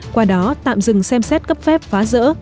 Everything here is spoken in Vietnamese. qua đó tạm dừng xem xét cấp phép phá rỡ